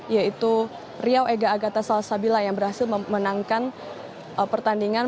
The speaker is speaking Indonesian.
yaitu riau ega agata salsabila yang berhasil memenangkan pertandingan